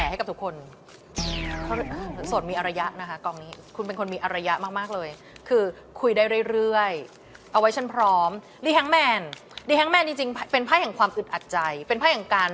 อันนี้คือโสดเพลิงแพร่ให้กับทุกคน